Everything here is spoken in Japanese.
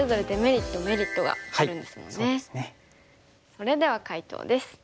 それでは解答です。